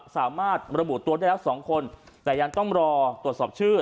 สามารถระบุตัวได้แล้ว๒คนแต่ยังต้องรอตรวจสอบชื่อ